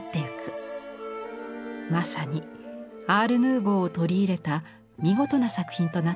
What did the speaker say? まさにアール・ヌーヴォーを取り入れた見事な作品となっています。